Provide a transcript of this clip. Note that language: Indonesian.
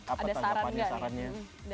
ada saran gak nih dari rivda